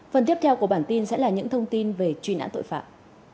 phần tiếp theo của bản tin sẽ là những thông tin về truy nã tội phạm